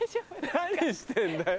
何してんだよ